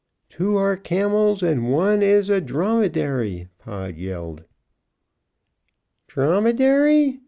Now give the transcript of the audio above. "Two are camels, and one is a dromedary," Pod yelled. "Dromedary!"